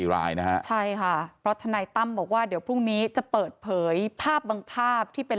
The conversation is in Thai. รายนะฮะใช่ค่ะเพราะทนายตั้มบอกว่าเดี๋ยวพรุ่งนี้จะเปิดเผยภาพบางภาพที่เป็น